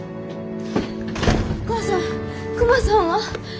お母さんクマさんは？